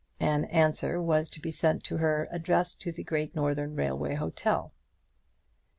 An answer was to be sent to her, addressed to the Great Northern Railway Hotel.